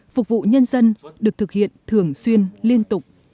phục vụ nhân dân được thực hiện thường xuyên liên tục